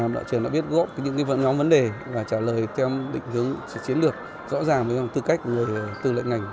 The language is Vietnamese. bộ trưởng đã biết gỗ những nhóm vấn đề và trả lời theo định hướng chiến lược rõ ràng với tư cách người tư lệ ngành